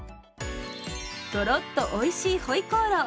とろっとおいしいホイコーロー。